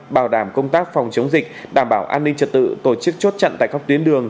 bảo đảm công tác phòng chống dịch đảm bảo an ninh trật tự tổ chức chốt chặn tại các tuyến đường